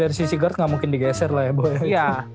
dari sisi guard gak mungkin digeser lah ya